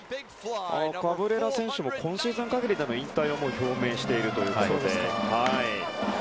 カブレラ選手も今シーズン限りでの引退を表明しているということで。